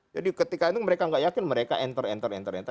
jadi ketika itu mereka gak yakin mereka enter enter enter enter